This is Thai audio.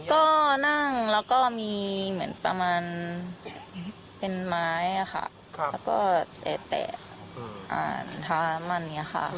ก็นั่งแล้วก็มีเหมือนประมาณเป็นไม้ค่ะแล้วก็แตะอ่านเท้ามันอย่างนี้ค่ะ